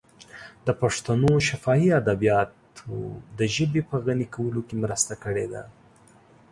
د پښتنو شفاهي ادبیاتو د ژبې په غني کولو کې مرسته کړې ده.